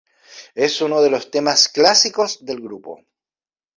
Es uno de los temas clásicos del grupo.